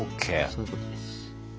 そういうことです。